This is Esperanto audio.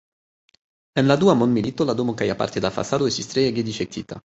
En la Dua Mondmilito la domo kaj aparte la fasado estis treege difektita.